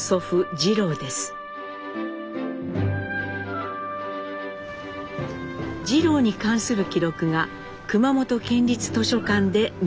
次郎に関する記録が熊本県立図書館で見つかりました。